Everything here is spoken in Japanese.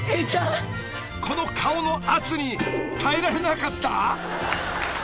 ［この顔の圧に耐えられなかった？］